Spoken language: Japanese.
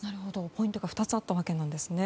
ポイントが２つあったわけなんですね。